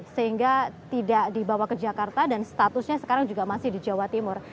sehingga tidak dibawa ke jakarta dan statusnya sekarang juga masih di jawa timur